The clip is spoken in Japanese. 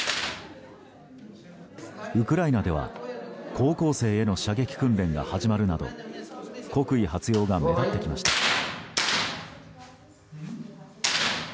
ウクライナでは高校生への射撃訓練が始まるなど国威発揚が目立ってきました。